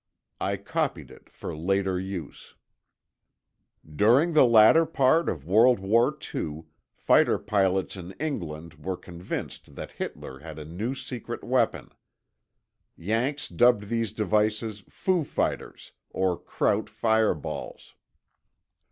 I copied it for later use: During the latter part of World War Two, fighter pilots in England were convinced that Hitler had a new secret weapon. Yanks dubbed these devices "foo fighters" or "Kraut fireballs."